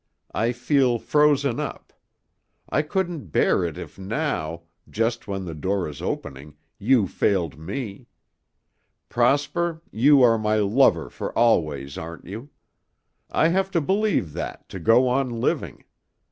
I feel frozen up. I couldn't bear it if now, just when the door is opening, you failed me. Prosper, you are my lover for always, aren't you? I have to believe that to go on living.